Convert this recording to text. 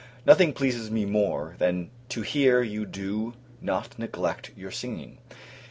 Nothing pleases me more, than to hear you do not neglect your singing.